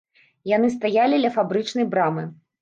Яны стаялі ля фабрычнай брамы.